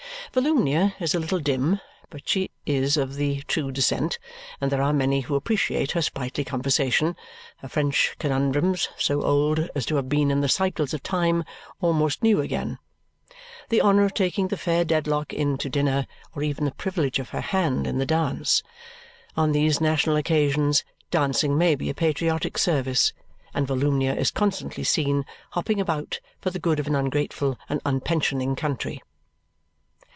Volumnia is a little dim, but she is of the true descent; and there are many who appreciate her sprightly conversation, her French conundrums so old as to have become in the cycles of time almost new again, the honour of taking the fair Dedlock in to dinner, or even the privilege of her hand in the dance. On these national occasions dancing may be a patriotic service, and Volumnia is constantly seen hopping about for the good of an ungrateful and unpensioning country.